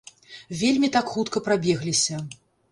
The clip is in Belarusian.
Вельмі так хутка прабегліся.